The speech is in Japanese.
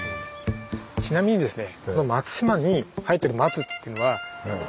ちなみにですね